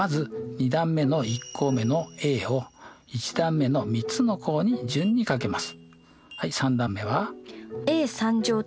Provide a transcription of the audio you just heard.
２段目の２項目の−ｂと１段目の３つの項を順に掛けます。